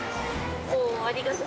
もうありがたく。